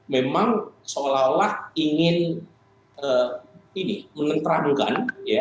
memang seolah olah ingin menenteramkan